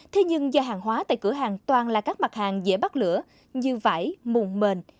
thế nhưng do hàng hóa tại cửa hàng toàn là các mặt hàng dễ bắt lửa như vải mùng